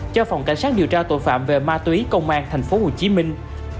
cho phòng cảnh sát điều tra tội phạm về ma túy công an thành phố hồ chí minh